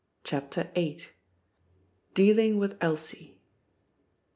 CHAPTER VIII DEALING WITH ELSIE I.